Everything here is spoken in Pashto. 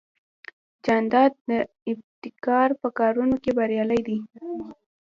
جانداد د ابتکار په کارونو کې بریالی دی.